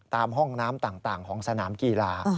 ตามห้องน้ำต่างของสนามกีฬา